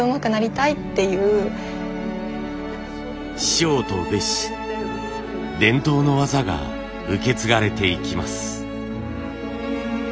師匠と弟子伝統の技が受け継がれていきます。